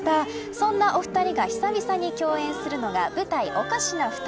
そんな、お二人が久々に共演するのが舞台、おかしな二人。